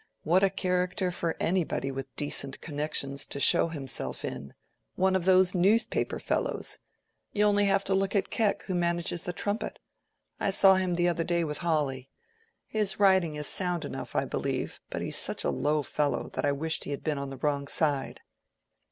What a character for anybody with decent connections to show himself in!—one of those newspaper fellows! You have only to look at Keck, who manages the 'Trumpet.' I saw him the other day with Hawley. His writing is sound enough, I believe, but he's such a low fellow, that I wished he had been on the wrong side."